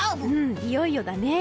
いよいよだね。